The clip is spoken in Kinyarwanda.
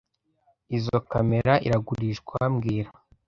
Izoi kamera iragurishwa mbwira